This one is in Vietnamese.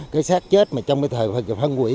cái sát chết mà trong cái thời phân quỷ